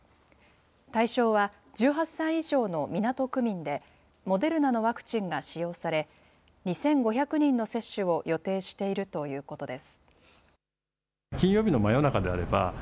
対象は１８歳以上の港区民で、モデルナのワクチンが使用され、２５００人の接種を予定しているということです。